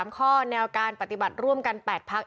๓ข้อแนวการปฏิบัติร่วมกัน๘พัก